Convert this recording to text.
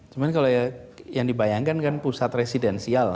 cuman kalau yang dibayangkan kan pusat residensial